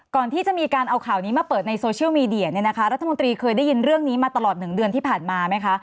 ก่อนที่จะมีการเอาข่าวนี้มาเปิดในโซเชียลมีเดียเนี่ยนะคะรัฐมนตรีเคยได้ยินเรื่องนี้มาตลอด๑เดือนที่ผ่านมาไหมคะ